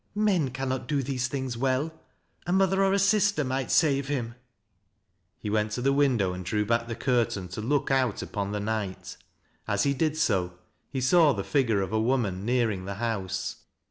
" Men cannot do these things well. A nr other or a sister inighl »ave him." He went to the window and drew back the curtain to lock out upon the night. As he did so, he saw the figure of a woman nearing the house.